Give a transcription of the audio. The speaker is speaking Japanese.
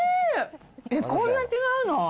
こんな違うの？